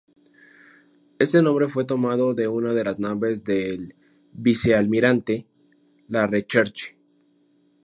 Este nombre fue tomado de una de las naves del vicealmirante, "La Recherche".